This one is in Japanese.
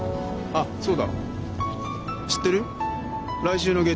あっそう。